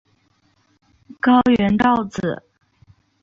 高原苕子